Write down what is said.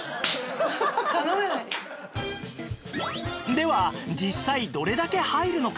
では実際どれだけ入るのか？